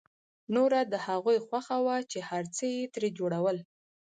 نوره د هغوی خوښه وه چې هر څه یې ترې جوړول